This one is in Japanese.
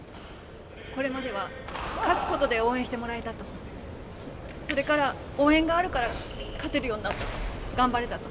これまでは勝つことで応援してもらえたと、それから応援があるから勝てるようになった、頑張れたと。